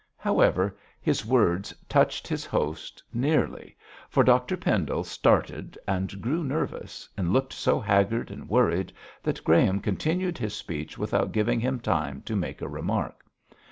However, his words touched his host nearly, for Dr Pendle started and grew nervous, and looked so haggard and worried that Graham continued his speech without giving him time to make a remark.